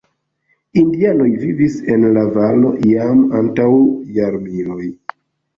Indianoj vivis en la valo jam antaŭ jarmiloj.